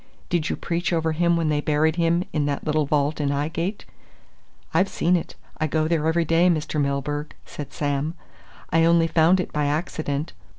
Did you preach over him when they buried him in that little vault in 'Ighgate? I've seen it I go there every day, Mr. Milburgh," said Sam. "I only found it by accident.